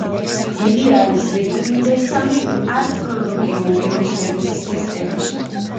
იგი არის რიგით მესამე ასტროლოგიური ნიშნების სისტემაში.